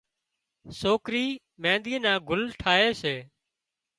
سوڪري مينۮِي نان گُل ٺاهي سي